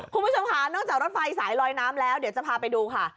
คุณผู้ชมค่ะนอกจากรถไฟสายลอยน้ำแล้วเดี๋ยวจะพาไปดูค่ะ